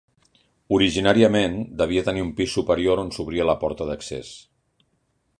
Originàriament devia tenir un pis superior on s'obria la porta d'accés.